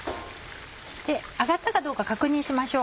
揚がったかどうか確認しましょう。